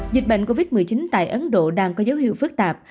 dịch bệnh covid một mươi chín tại ấn độ đang có dấu hiệu phức tạp